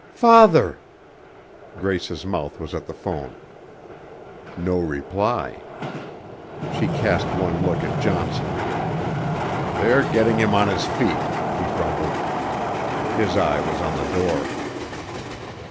"Father!" Grace's mouth was at the phone. No reply. She cast one look at Johnson. "They're getting him on his feet," he grumbled. His eye was on the door.